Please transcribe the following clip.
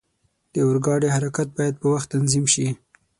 د اورګاډي حرکت باید په وخت تنظیم شي.